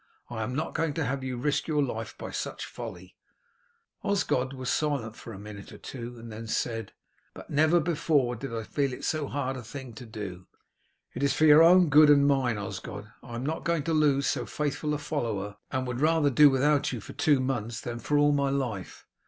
I am not going to have you risk your life by such folly." Osgod was silent for a minute or two and then said, "Well, master, I must obey your orders, but never before did I feel it so hard a thing to do." "It is for your own good and mine, Osgod. I am not going to lose so faithful a follower, and would rather do without you for two months than for all my life.